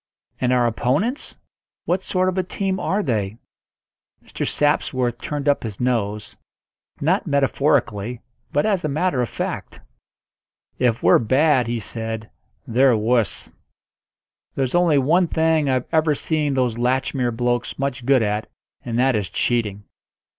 "And our opponents what sort of a team are they?" Mr. Sapsworth turned up his nose not metaphorically, but as a matter of fact. "If we're bad," he said, "they're wuss. There's only one thing I've ever seen those Latchmere blokes much good at, and that is cheating.